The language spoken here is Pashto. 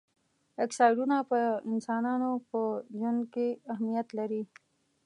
اکسایډونه په انسانانو په ژوند کې اهمیت لري.